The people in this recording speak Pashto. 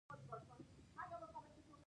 آیا رنګونه یې طبیعي نه دي؟